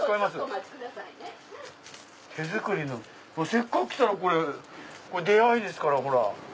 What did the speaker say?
せっかく来たら出会いですから。